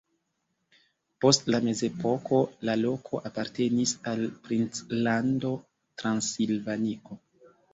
Post la mezepoko la loko apartenis al princlando Transilvanio.